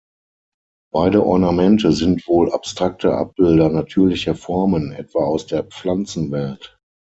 Beide Ornamente sind wohl abstrakte Abbilder natürlicher Formen, etwa aus der Pflanzenwelt.